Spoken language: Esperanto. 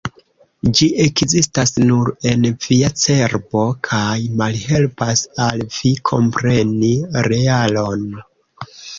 Ĝi ekzistas nur en via cerbo kaj malhelpas al vi kompreni realon.